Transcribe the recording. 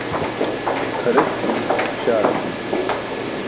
Tʰares cum śaar api.